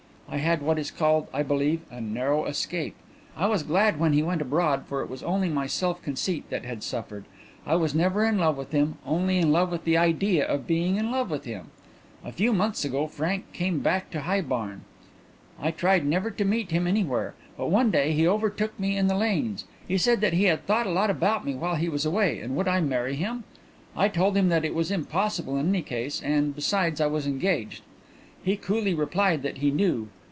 I had what is called, I believe, a narrow escape. I was glad when he went abroad, for it was only my self conceit that had suffered. I was never in love with him: only in love with the idea of being in love with him. "A few months ago Frank came back to High Barn. I tried never to meet him anywhere, but one day he overtook me in the lanes. He said that he had thought a lot about me while he was away, and would I marry him. I told him that it was impossible in any case, and, besides, I was engaged. He coolly replied that he knew.